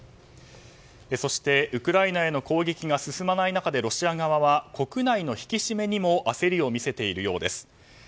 そして、ウクライナへの攻撃が進まない中でロシア側は国内の引き締めにも焦りを見せているようです。